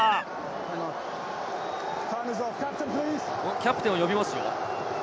キャプテンを呼びますよ。